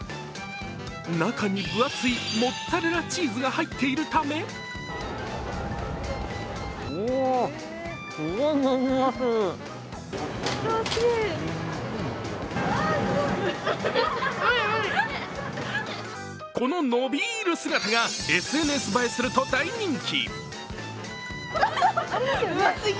中に分厚いモッツァレラチーズが入っているためこの伸びる姿がＳＮＳ映えすると大人気。